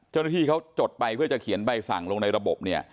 เจ้าหน้าที่เขาจดไปเพื่อจะเขียนใบสั่งลงในระบบเนี่ย